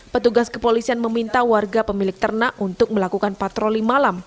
petugas kepolisian meminta warga pemilik ternak untuk melakukan patroli malam